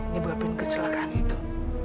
nyebabin kecelakaan itu